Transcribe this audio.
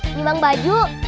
ini emang baju